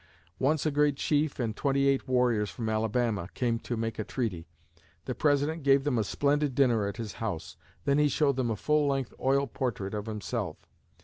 Once a great chief and twenty eight warriors from Alabama came to make a treaty. The President gave them a splendid dinner at his house. Then he showed them a full length, oil portrait of himself.